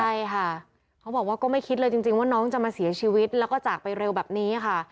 ใช่ค่ะเขาบอกว่าก็ไม่คิดเลยจริงว่าน้องจะมาเสียชีวิตแล้วก็จากไปเร็วแบบนี้ค่ะ